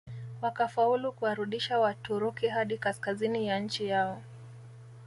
Wakafaulu kuwarudisha Waturuki hadi kaskazini ya nchi yao